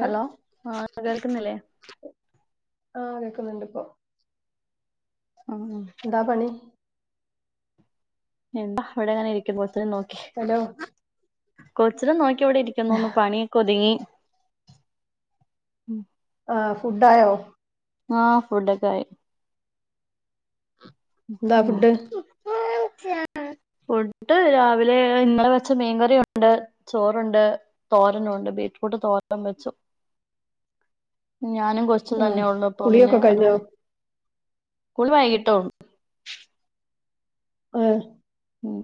Hello ആ കേൾക്കുന്നില്ലേ. ആഹ് കേക്കുന്നുണ്ട് ഇപ്പൊ. ആ എന്താ പണി. എന്താ അവിടെ ഇങ്ങനെ ഇരിക്ക-കൊച്ച നോക്കി ഹലോ കൊച്ചിന നോക്കി. ഇടെ ഇരിക്കുന്നുന്ന് പണിയൊക്കെ ഒതുങ്ങി ഉം. ആ ഫുഡായോ. ആഫുഡൊക്കെയി. എന്താ ഫുഡ്. ഫുഡ് രാവിലെ ഇന്നലെ വെച്ച മീൻകറിയുണ്ട് ചോറുണ്ട് തോരനുണ്ട് ബീ ട്ട് തോരനും വെച്ചു. ഞാനും കൊച്ച് ആ തന്നെ ഉള്ളു അപ്പ പിന്നെ കുളിയൊക്കെ അത് കഴിഞ്ഞോ മതി ഊൾ വൈകിട്ടേ ഉള്ളൂ. ആ ഉം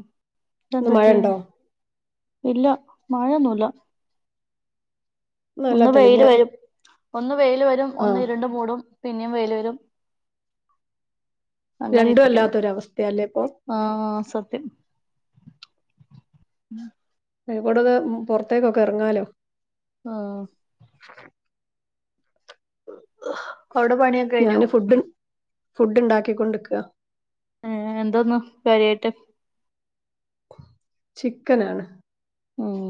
ഇന്ന് ഇതെന്ത് പറ്റിയേ മഴണ്ടോ. ഇല്ല മഴൊന്നുല്ല. നല്ല ഒന്ന് തെളിഞ്ഞ വെയില് വരും ഒന്ന് വെയില് വരും ആ ഒന്ന് ഇരുണ്ട്‌ മൂടും. പിന്നെയും വെയ്ലരും. അങ്ങനെ രണ്ടും ഇരിക്കുന്നു അല്ലാത്തൊരവസ്ഥയല്ലേ ഇപ്പൊ ആ സത്യം. അയ്നെകൊടൊക്കെ പുറത്തേക്കൊക്കെറങ്ങാലോ. ആ. അവിടെ പണിയൊക്കെ കയിഞ്ഞോ. ഞാന് ഫുഡ് ഫുഡ് ഉണ്ടാക്കികൊണ്ട്ക്ക. ഏ എന്താന്നു കാര്യായിട്ട്. ചിക്കനാണ്. ഉം.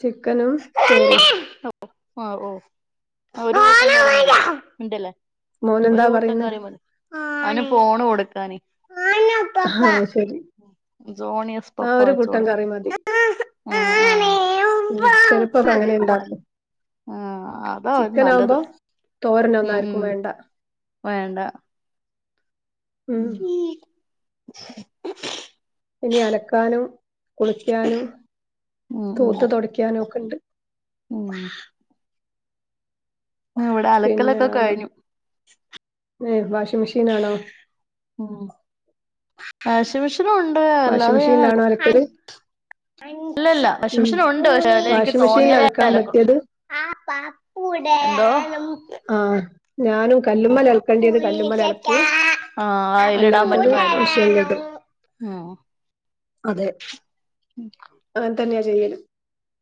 ചിക്കനും ചോറും ഓ ഓ [unintelligible] മോനെന്താ ഒരു കൂട്ടം പറയുന്നെ കറിയ മതി ആനു ഫോണ് കൊടുക്കാന്. ആശരി സോണിയസ് ആ പപ്പ ഒരു വച്ച് കൂട്ടം കൊടുക്ക കറി മതി. ആഹ് ഉ ചെലപ്പൊക്കെ അങ്ങനെ ഇണ്ടാക്കും. ആഹ് ആഹ് അതാ ചിക്കന നല്ലത് ആകുമ്പോ തോരന ഉം ഉം ഒന്നാരുക്കും വേണ്ട. വേണ്ട. ഉം ഉം ഇനി അലക്കാനും കുളിക്കാനും. ഉം ഉം തൂത്ത് തുടയ്ക്കാനൊക്കെ ഉണ്ട്. ഉം ആ ഇവിടെ അലക്കലൊക്കെ കഴിഞ്ഞു. ഏ വാഷിംഗ് മെഷീനാണോ. ഉ വാഷിംഗമെഷീനുണ്ട് വാഷിംഗ് അല്ലാതെ ചെയ്യാന. മെഷീനിലാണോ അലക്കല് ഇല്ലല്ല വാഷിംഗ്‌ ഉം മെഷീൻ ഉണ്ട് പക്ഷെ അ എനിക്ക് വാഷിംഗ് മെഷീനിൽ തോന്നിയാലേ അലക്കാൻ അലക്കു. പറ്റിയത് [unintelligible] എന്തോ ആഹ. ഞാനും കല്ലുമ്മലക്കേണ്ടത് പുളിച്ചക്ക കല്ലുമ്മലലക്കൂ ആ അല്ലാത്തത് മഷീനിലിടു. ആഹ. അതെ അങ്ങനെതന്നാ ചെയ്യല്.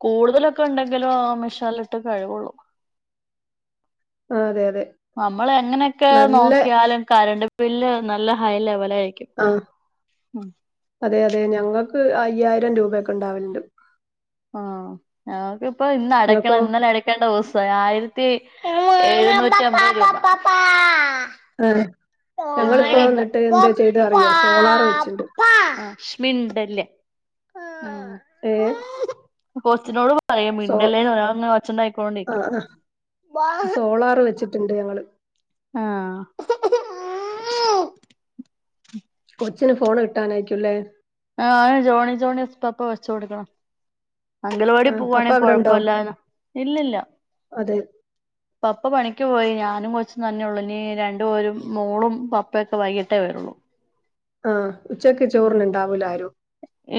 കൂടുതലൊക്കെ ഉണ്ടെങ്കിലും മെഷ്യല്ട്ട് കഴിവുള്ളൂ. ആ അതെ അതെ. നമ്മൾ എങ്ങനെയൊക്കെ നല്ല നോക്കിയാലും കരണ്ട് ബില്ല് നല്ല ഹൈ ലെവൽ. ആഹ അതെ അതെ ഞങ്ങൾ.. ക്ക് അയ്യായിരം രൂപയൊക്കെ ഉണ്ടാവലുണ്ട് ആ ഞക്കിപ്പ ഇന്ന അടക്കണം ഇങ്ങക്കോ ഇന്നലെ അടക്കേണ്ട ദിവസം ആ തി എഴുന്നൂറ്റി അമ്പത് രൂപ ആ ആ അറിയോ സോളാർ വെച്ചിണ്ട് പപ്പാപ്പാ [inaudible] മിണ്ടല്ലെ ഏ കൊച്ചിനോട് പറയാം മിണ്ടല്ലേന്ന് പറയാ അവനിങ്ങനെ കൊച്ചണ്ട ആയിക്കോണ്ടിരിക്ക ആഹ് ആഹ് സോളാർ വെച്ചിട്ടുണ്ട് ഞങ്ങള് ആഹ കൊച്ചിന് ഫോണ് കിട്ടാനായിരിക്കല്ലേ ആ ജോണി ജോണിയെസ് പ്പപ്പ വെച്ച കൊടുക്കണം അംഗലവാടി ആഹ് പോവാ പപ്പ ആണെങ്കി അവിടെണ്ടോ കൊഴപ്പല്ല ഇല്ലില്ല അതെ പപ്പ പണിക്ക് പോയി ഞാനും കൊച്ചും തന്നെ ഉള്ളു ഇനി രണ്ടു പേരും മോളും പപ്പയൊക്കെ വൈകിട്ടേ വരാ [unintelligible] ആഹ ഉ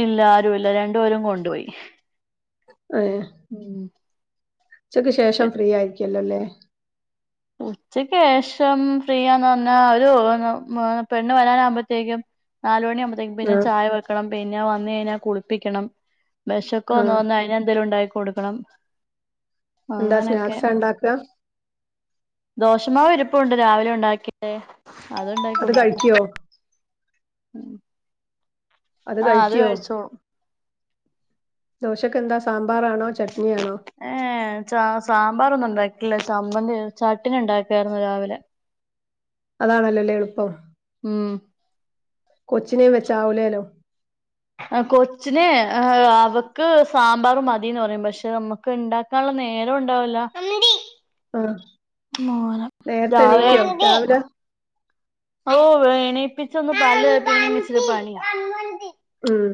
ഇല്ല ആരും ഇല്ല രണ്ടുപേരും കൊണ്ട് യി ഏഹ് ഉം ഉച്ചക്ക് ശേഷം ഫ്രീ ആയിരിക്കല്ലോല്ലേ ഉച്ചക്ക് ശേഷം ഫ്രീയാന്ന് പറഞ്ഞാ ഒരു പെണ്ണ് വരാനാകുമ്പോത്തേക്കും നാല് മണിയ ആകുമ്പോഴത്തേക്കും പിന്നെ ആഹ് ചായ വെക്കണം പിന്നെ വന്ന് കഴിഞ്ഞാൽ കുളിപ്പിക്കണം വിഷക്കെ ആഹ് ഒന്നോന്ന അതിന എന്തേിലും ഉണ്ടായി കൊടുക്കണം എന്താ സ്നാക്സ് ണ്ടാക്ക ദോഷമാവ രിപ്പുണ്ട് രാവിലെ ഉണ്ടാക്കിയേ അത് കഴിക്കോ ഉം ആഹ അത് കഴിച്ചോളും ദോശക്ക എന്ത സാ ഏ സാമ്പാറ ഒന്നും ഉണ്ടാക്കില്ലാ നമ്മ ചട്ടിന ഉണ്ടാക്കായിരുന്നു രാവിലെ അതാണല്ലോല്ലേ എളുപ്പം ഉം കൊച്ചിനേ വെച്ചാവൂലേലോ കൊച്ചിനെ അവക്ക് സാമ്പാറ മതിന്ന് പറയും പക്ഷെ നമ്മുക്ക് ഉണ്ടാക്കാനുള്ള നേര ഉണ്ടാവല ആഹ് മോനാ നേരത്തെ എണീക്കോ രാവിലെ ഓ വ എണീപ്പിച്ചൊന്ന് പല്ല് തേപ്പിക്കണേൽ ഇചിരി പണിയാ ഉം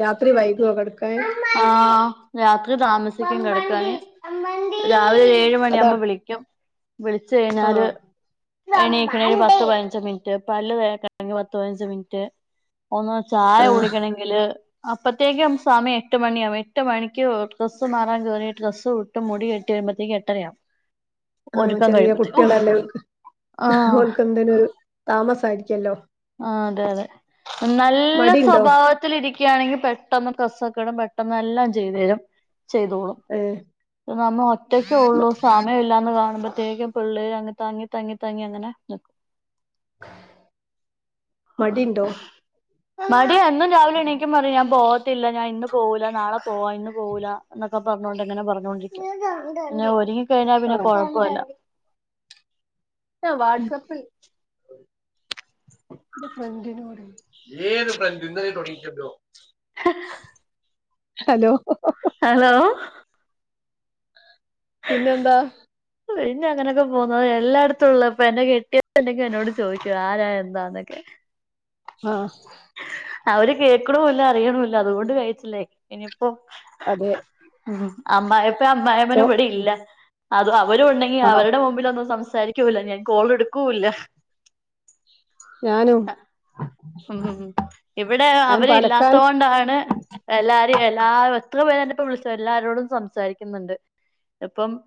രാത്രി വൈകോ കിടക്കാന് ആ രാത്രി താമസിക്കും കിടക്കാന് രാവിലെ ഏഴ അതാ മണിയാവവുമ്പോ വിളിക്കും വിളിച്ച കഴിഞ്ഞാല് ആഹ് എണീ ക്കണെ ഒരു പത്ത് പതിനഞ്ച് മിനിറ്റ് പല്ല് തക്കണെങ്കിൽ പത്ത് പതിനഞ്ച് മിനിറ്റ് ഒന്ന് ചായ ആഹ് കുടിക്കണമെങ്കില് അപ്പത്തേക്കും സമം എ് മണിയാവവും എട്ട് മണിക്ക് ഡ്രസ്സ് മാറാൻ കയറിിട്ട് ഡ്രസ്സ് വിട്ട് മുടി കെട്ടി വരുമ്പഴത്തേക്ക് എട്ടരയാവും ആഹ ഒരുക്കം ചെറിയ കഴിയുമ്പത്തേക്ക് ഓഹ് കുട്ടികളല്ലേവർക്ക് ആഹ് ഓല്ക്ക് ന്തി നൊരു താമസായിരിക്കല്ലോ ആ അതെ അതെ നല്ല മടിണ്ടോ സ്വഭാവത്തിൽിരിക്കുകയാണെങ്കിൽ പെട്ടെന്ന് ഡ്രസ് ക്കെടും പെട്ടെന്ന് എല്ലാം ചെയ്തു തരും ചെയ്തോളും ഏഹ് നമ്മ ഒറ്റക്ക ഉള്ളൂ സമയം ഇല്ലാന്ന് കാണുമ്പോ പ്രത്യേകപള്ളേര് അങ്ങനെ തങ്ങി തങ്ങി തങ്ങി അങ്ങനെ നിക്കും [unintelligible] മടിണ്ടോ മടിയ എന്നും രാവിലെ എണിക്കുമ്പോ പറയും ഞാൻ പോവ ത്തില്ല ഞാൻ ഇന്ന് പോവുല നാളെ പോവാ ഇന്ന് പോവൂല ന്നൊക്കെ പറഞ്ഞോണ്ട് അങ്ങനെ പറഞ്ഞോണ്ടിരിക്കും പിന്നെ ഒരുങ്ങിക്കഴിഞ്ഞാൽ പിന്നെ ആഹ് കുഴപ്പല്ല. ആ വാട്സ അപ്പിൽ ന്റെ ഫ്രണ്ടിനോട് ഹലോ ഹലോ പിന്നെന്താ പിന്നെ അങ്ങനൊക്കെ പോവുന്നത് എല്ലാടത്തുള്ളപ്പ എന്റെ കെട്ടിയോൻ ണ്ടെകി എന്നോട് ചോദിക്കും ആരാ എന്താ ന്നൊക്കെ. ആ അവര് കേക്ക്ണ്ണൂല്ലാ അറിയ്ണ്ണൂല്ല അതുകൊണ്ട് കഴിച്ചിലായി ഇനിയിപ്പോ അതെ അമ്മായപ്പ സോ അമ്മായമ്മനും ഇവിടെ ഇല്ല അതും അവരൂണ്ടെങ്കിൽ ആഹ് അവരുടെ മുമ്പിലൊന്നും സം സരിക്കൂല ഞാൻ കോൾ ഇടുക്കൂലാ. ഞാനും ഉം ഇവിടെ ഞാൻ അവര് പാലക്കാട് ഇല്ലാതോണ്ടാണ് എല്ലാരിംഎല്ലാ എത്ര പേര ഇപ്പൊ വിളിച്ച എല്ലാരോടും സംസാരിക്കുന്നുണ്ട് ഇപ്പം